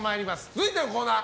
続いてのコーナー